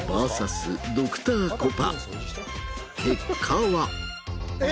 結果は。